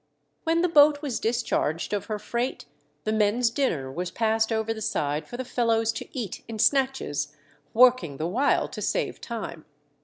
307 When the boat was discharged of her freight, the men's dinner was passed over the side for the fellows to eat in snatches, working the while to save time.